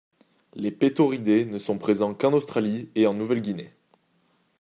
Les Pétauridés ne sont présents qu'en Australie et en Nouvelle-Guinée.